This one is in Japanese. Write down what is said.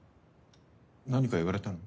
何か言われたの？